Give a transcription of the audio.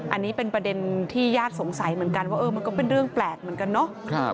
อันนี้เป็นประเด็นที่ญาติสงสัยเหมือนกันว่ามันก็เป็นเรื่องแปลกเหมือนกันเนาะ